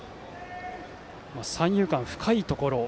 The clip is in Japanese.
三遊間深いところ。